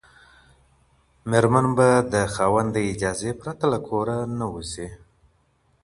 ميرمن به د خاوند د اجازې پرته له کوره نه وځي.